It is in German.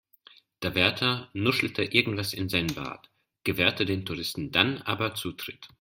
Der Wärter nuschelte irgendwas in seinen Bart, gewährte den Touristen dann aber Zutritt.